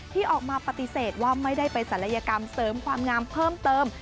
ที่ออกมาปฏิเสธว่าไม่ได้ไปศัลยกรรมเสริมความงามเพิ่มเติม